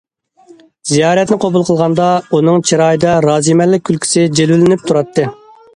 زىيارەتنى قوبۇل قىلغاندا، ئۇنىڭ چىرايىدا رازىمەنلىك كۈلكىسى جىلۋىلىنىپ تۇراتتى.